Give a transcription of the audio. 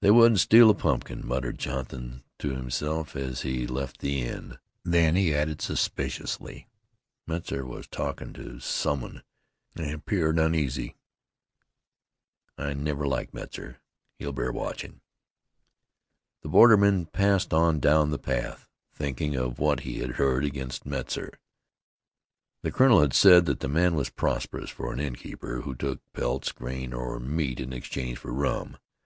"They wouldn't steal a pumpkin," muttered Jonathan to himself as he left the inn. Then he added suspiciously, "Metzar was talkin' to some one, an' 'peared uneasy. I never liked Metzar. He'll bear watchin'." The borderman passed on down the path thinking of what he had heard against Metzar. The colonel had said that the man was prosperous for an innkeeper who took pelts, grain or meat in exchange for rum.